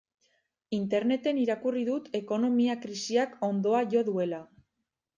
Interneten irakurri dut ekonomia krisiak hondoa jo duela.